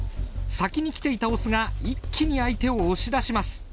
先に来ていたオスが一気に相手を押し出します。